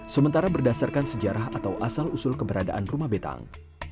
sementara berdasarkan sejarah atau asal usul keberadaan rumah betang